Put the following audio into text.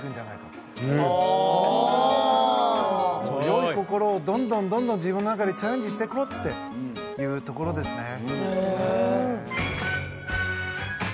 良い心をどんどんどんどん自分の中でチャレンジしていこうっていうところですね。